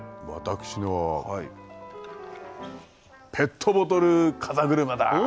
私のはペットボトル風車だ。